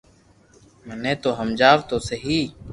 مني تو ھمجاو تو سھي